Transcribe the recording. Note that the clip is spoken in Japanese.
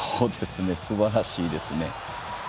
すばらしいですね。